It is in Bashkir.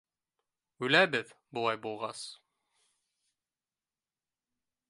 Үләбеҙ, былай булғас.